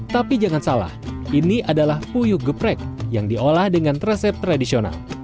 tapi jangan salah ini adalah puyuh geprek yang diolah dengan resep tradisional